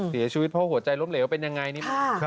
เสียชีวิตเพราะหัวใจล้มเหลวเป็นยังไงนี่